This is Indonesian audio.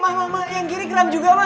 ma ma ma yang kiri keren juga ma